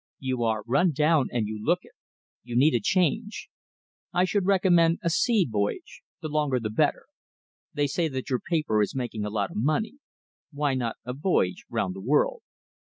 You are run down, and you look it. You need a change. I should recommend a sea voyage, the longer the better. They say that your paper is making a lot of money. Why not a voyage round the world?"